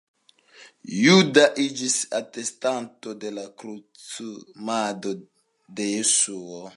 Juda iĝis atestanto de la krucumado de Jesuo.